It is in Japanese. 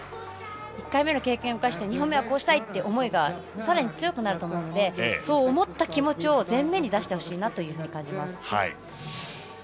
１回目の経験を生かして２回目はこうしたいという思いがさらに強くなると思うのでそう思った気持ちを前面に出してほしいなと感じます。